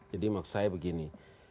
jadi maksud saya begini